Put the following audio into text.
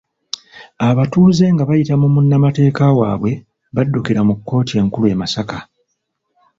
Abatuuze nga bayita mu munnateeka waabwe baddukira mu kkooti enkulu e Masaka